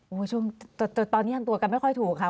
คุณผู้ชมตอนนี้ยังตัวกันไม่ค่อยถูกค่ะ